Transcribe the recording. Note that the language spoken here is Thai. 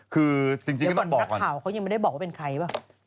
คือจริงก็ต้องบอกก่อนเดี๋ยวก่อนนักข่าวเขายังไม่ได้บอกว่าเป็นใครป่ะ